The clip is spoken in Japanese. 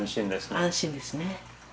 安心ですね。